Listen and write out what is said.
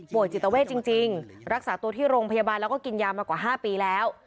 จิตเวทจริงรักษาตัวที่โรงพยาบาลแล้วก็กินยามากว่า๕ปีแล้ว